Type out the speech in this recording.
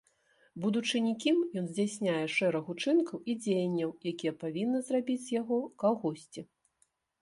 Будучы нікім, ён здзяйсняе шэраг учынкаў і дзеянняў, якія павінны зрабіць з яго кагосьці.